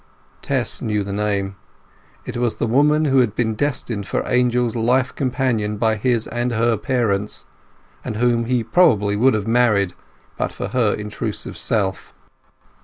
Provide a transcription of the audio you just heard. Tess knew the name. It was the woman who had been destined for Angel's life companion by his and her parents, and whom he probably would have married but for her intrusive self.